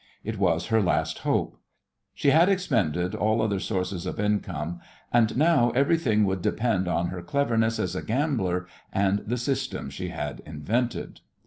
It was her last hope. She had expended all other sources of income, and now everything would depend on her cleverness as a gambler and the system she had invented.